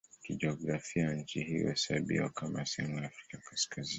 Kijiografia nchi hii huhesabiwa kama sehemu ya Afrika ya Kaskazini.